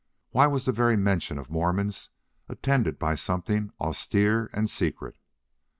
Why was the very mention of Mormons attended by something austere and secret?